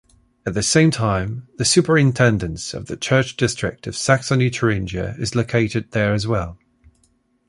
At the same time, the Superintendence of the Church District of Saxony-Thuringia is located there as well.